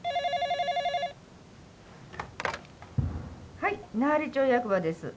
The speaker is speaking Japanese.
はい、奈半利町役場です。